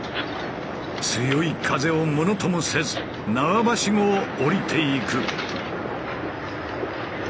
強い風をものともせず縄ばしごを下りていく。